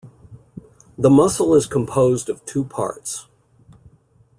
The muscle is composed of two parts.